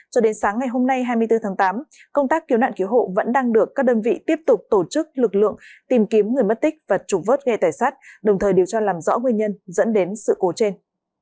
cho đến sáng ngày hôm nay hai mươi bốn tháng tám công tác cứu nạn cứu hộ vẫn đang được các đơn vị tiếp tục tổ chức lực lượng tìm kiếm người mất tích và trục vớt ghe tài sát đồng thời điều tra làm rõ nguyên nhân dẫn đến sự cố trên